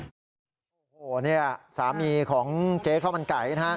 พี่โฮเนี่ยสามีของเจ๊เข้ามันไก่